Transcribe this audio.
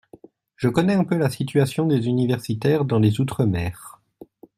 Je connais un peu la situation des universitaires dans les outre-mer.